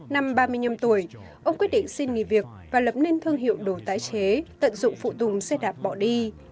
năm ba mươi năm tuổi ông quyết định xin nghỉ việc và lập nên thương hiệu đồ tái chế tận dụng phụ tùng xe đạp bỏ đi